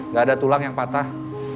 nggak ada tulang yang patah